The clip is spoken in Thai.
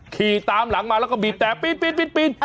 ขี่ตามหลังมาแล้วก็บีบแต่ปีน